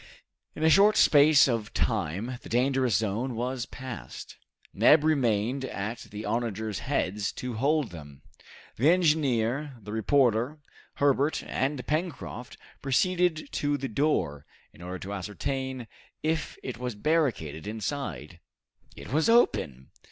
In a short space of time the dangerous zone was passed. Neb remained at the onagers' heads to hold them. The engineer, the reporter, Herbert, and Pencroft, proceeded to the door, in order to ascertain if it was barricaded inside. It was open!